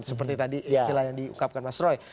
seperti tadi istilah yang diungkapkan mas roy